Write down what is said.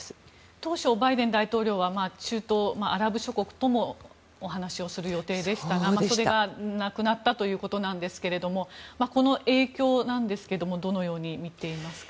当初、バイデン大統領は中東、アラブ諸国ともお話をする予定でしたがそれがなくなったということなんですがこの影響なんですけどもどのように見ていますか？